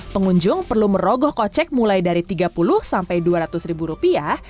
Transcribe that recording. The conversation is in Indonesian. pengunjung perlu merogoh kocek mulai dari tiga puluh sampai dua ratus ribu rupiah